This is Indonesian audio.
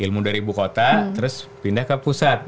ilmu dari ibu kota terus pindah ke pusat